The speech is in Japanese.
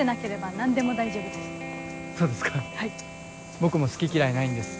僕も好き嫌いないんです